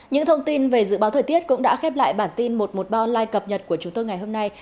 những thông tin về dự báo thời tiết cũng đã khép lại bản tin một trăm một mươi ba online cập nhật của chúng tôi ngày hôm nay